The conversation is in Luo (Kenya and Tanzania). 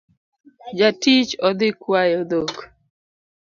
Jatich odhii kwayo dhok